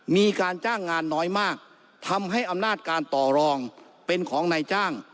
มีการจ้างงานน้อยมากทำให้อำนาจการต่อรองเป็นของนายจ้าง